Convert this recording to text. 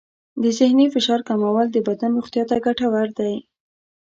د ذهني فشار کمول د بدن روغتیا ته ګټور دی.